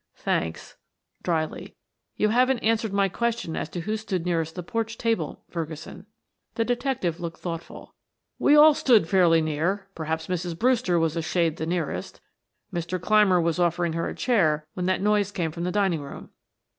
"Thanks," dryly. "You haven't answered my question as to who stood nearest the porch table, Ferguson." The detective looked thoughtful. "We all stood fairly near; perhaps Mrs. Brewster was a shade the nearest. Mr. Clymer was offering her a chair when that noise came from the dining room.